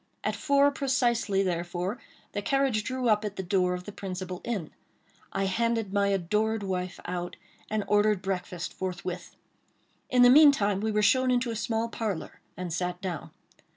At four precisely, therefore, the carriage drew up at the door of the principal inn. I handed my adored wife out, and ordered breakfast forthwith. In the meantime we were shown into a small parlor, and sat down.